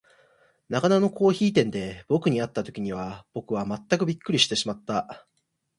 中野のコオヒイ店で、ぼくに会った時には、ぼくはまったくびっくりしてしまった。